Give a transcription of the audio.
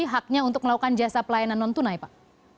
haknya untuk melakukan jasa pelayanan non tunai pak